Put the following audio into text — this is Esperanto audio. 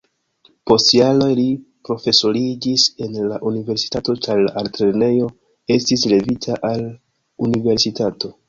Post jaroj li profesoriĝis en la universitato, ĉar la altlernejo estis levita al universitato.